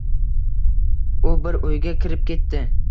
U bir uyga kirib ketdi.